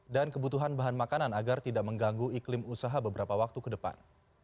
dan kebutuhan bahan makanan agar tidak mengganggu iklim usaha beberapa waktu ke depan